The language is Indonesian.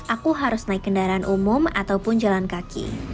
aku harus naik kendaraan umum ataupun jalan kaki